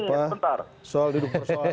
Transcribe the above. soal duduk persoalan